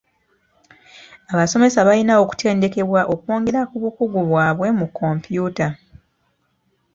Abasomesa balina okutendekebwa okwongera ku bukugu bwabwe mu kompyuta.